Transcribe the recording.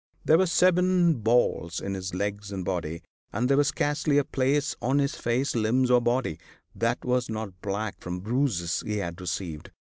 There were seven balls in his legs and body, and there was scarcely a place on his face, limbs or body that was not black from bruises he had received.